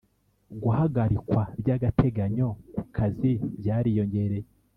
Guhagarikwa by’agateganyo ku kazi byariyongereye